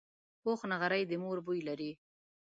پوخ نغری د مور بوی لري